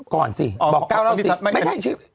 ก่อนซิบอกก้าวเล่าไม่ใช่ขี้